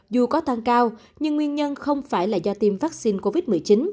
dù có tăng cao nhưng nguyên nhân không phải là do tiêm vaccine covid một mươi chín